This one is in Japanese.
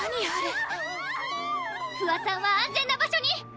あれ芙羽さんは安全な場所に！